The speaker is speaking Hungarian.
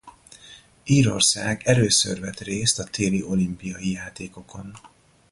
Írország először vett részt a téli olimpiai játékokon.